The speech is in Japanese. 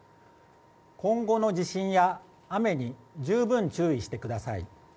今後の地震や雨に十分注意してください。